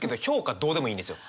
どうでもいいんですよ。